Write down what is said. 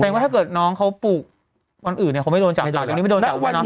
แปลงว่าถ้าเกิดน้องเขาปลูกวันอื่นเขาไม่โดนจับเลย